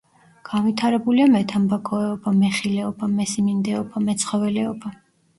განვითარებულია მეთამბაქოეობა, მეხილეობა, მესიმინდეობა, მეცხოველეობა.